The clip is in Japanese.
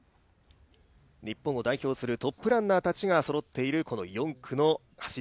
日本を代表するトップランナーたちがそろっている４区の走り